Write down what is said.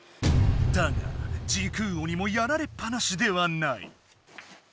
だが時空鬼もやられっぱなしではない。